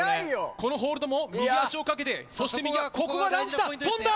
このホールドも、右足をかけて、ここがランジだ、跳んだ。